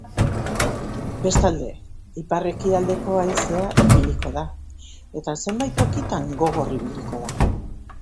Bestalde, ipar-ekialdeko haizea ibiliko da, eta zenbait tokitan gogor ibiliko da.